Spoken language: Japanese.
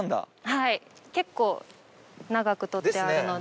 はい結構長く取って。ですね